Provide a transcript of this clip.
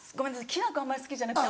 きな粉はあんまり好きじゃなくて。